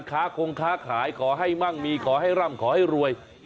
ค้าคงค้าขายขอให้มั่งมีขอให้ร่ำขอให้รวย